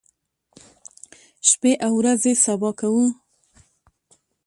شپې او ورځې سبا کوو.